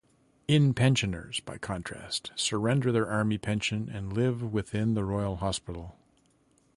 In-Pensioners, by contrast, surrender their army pension and live within the Royal Hospital.